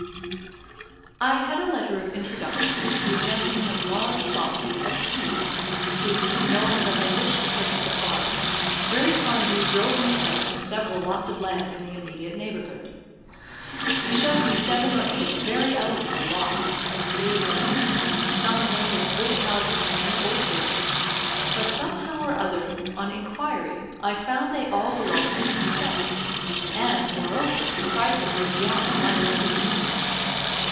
I had a letter of introduction to a gentleman of large property, at C , who, knowing that I wished to purchase a farm, very kindly drove me out to several lots of land in the immediate neighbourhood. He showed me seven or eight very eligible lots of cleared land, some of them with good houses and orchards; but somehow or other, on inquiry, I found they all belonged to himself, and, moreover, the prices were beyond my limited means.